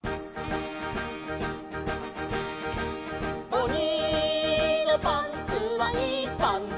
「おにのパンツはいいパンツ」